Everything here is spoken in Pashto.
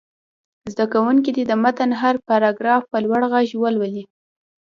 زده کوونکي دې د متن هر پراګراف په لوړ غږ ووايي.